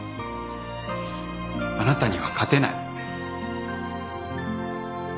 あなたには勝てない。